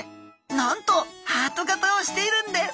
なんとハート形をしているんです！